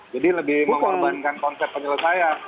jadi lebih mengorbankan konsep penyelesaian